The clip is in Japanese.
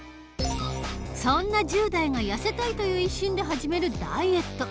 そんな１０代がやせたいという一心で始めるダイエット。